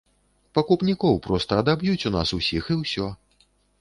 Пакупнікоў проста адаб'юць у нас усіх, і ўсё.